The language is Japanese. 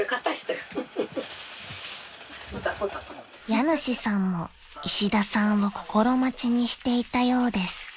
［家主さんも石田さんを心待ちにしていたようです］